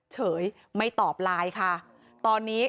เจ้าของห้องเช่าโพสต์คลิปนี้